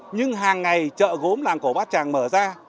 nhưng hàng ngày chợ gốm làng cổ bát tràng mở ra